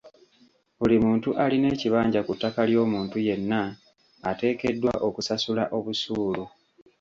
Buli muntu alina ekibanja ku ttaka ly’omuntu yenna ateekeddwa okusasula obusuulu.